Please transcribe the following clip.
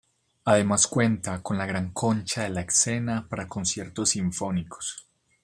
Además cuenta, con la gran "concha" de la escena para conciertos sinfónicos.